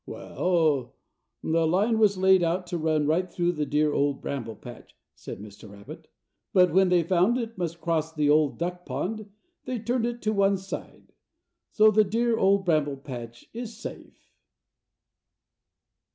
"Well, the line was laid out to run right through the dear Old Bramble Patch," said Mr. Rabbit, "but when they found it must cross the Old Duck Pond, they turned it to one side. So the dear Old Bramble Patch is safe."